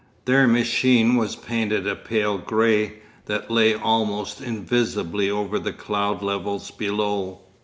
Their machine was painted a pale gray, that lay almost invisibly over the cloud levels below.